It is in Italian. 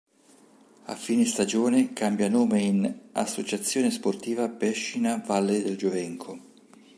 A fine stagione cambia nome in "Associazione Sportiva Pescina Valle del Giovenco".